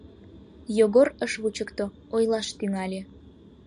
Йогор ыш вучыкто, ойлаш тӱҥале: